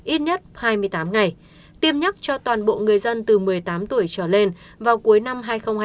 ít nhất hai mươi tám ngày tiêm nhắc cho toàn bộ người dân từ một mươi tám tuổi trở lên vào cuối năm hai nghìn hai mươi